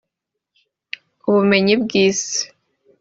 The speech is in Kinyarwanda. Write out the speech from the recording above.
ubumenyi bw’isi